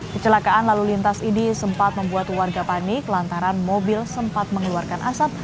kecelakaan lalu lintas ini sempat membuat warga panik lantaran mobil sempat mengeluarkan asap